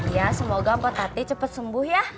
ya semoga mpok tati cepet sembuh ya